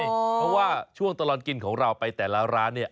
เพราะว่าช่วงตลอดกินของเราไปแต่ละร้านเนี่ย